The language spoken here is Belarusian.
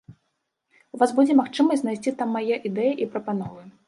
У вас будзе магчымасць знайсці там мае ідэі і прапановы.